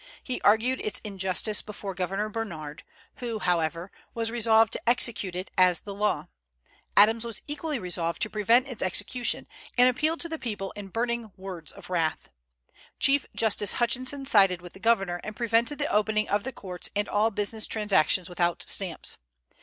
He argued its injustice before Governor Bernard, who, however, was resolved to execute it as the law. Adams was equally resolved to prevent its execution, and appealed to the people in burning words of wrath. Chief Justice Hutchinson sided with the Governor, and prevented the opening of the courts and all business transactions without stamps.